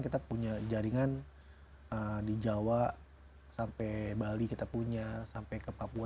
kita punya jaringan di jawa sampai bali kita punya sampai ke papua